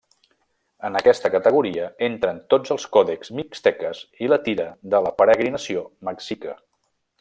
En aquesta categoria entren tots els còdexs mixteques i la Tira de la Peregrinació mexica.